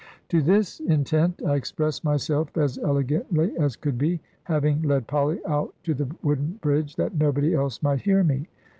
To this intent I expressed myself as elegantly as could be, having led Polly out to the wooden bridge, that nobody else might hear me.